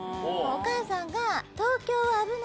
お母さんが。